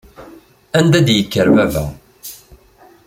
Anda i d-yekker baba.